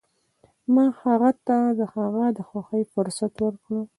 ما هغه ته د هغه د خوښې فرصت ورکړ.